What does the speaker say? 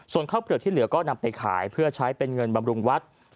ส่วนข้าวเปลือกที่เหลือก็นำไปขายเพื่อใช้เป็นเงินบำรุงวัด